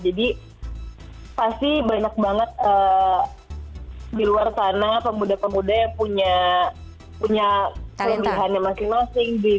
jadi pasti banyak banget di luar sana pemuda pemuda yang punya pilihannya masing masing